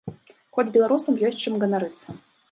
Хоць беларусам ёсць чым ганарыцца.